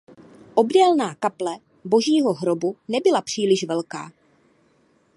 Obdélná kaple Božího hrobu nebyla příliš velká.